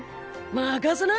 任せな！